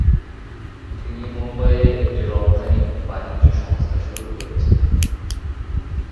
তিনি মুম্বাইয়ে একটি রফতানি বাণিজ্য সংস্থা শুরু করেছিলেন।